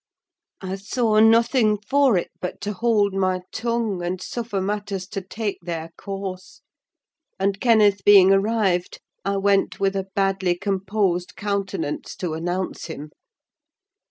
I saw nothing for it but to hold my tongue, and suffer matters to take their course; and Kenneth being arrived, I went with a badly composed countenance to announce him.